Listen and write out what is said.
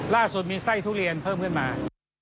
ล่าสุดมีไส้ทุเรียนเพิ่มขึ้นมา